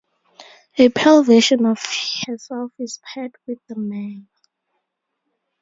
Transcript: A pale version of herself is paired with The Man.